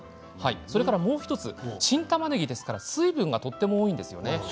それから、新たまねぎですから水分がとても多いんですよね。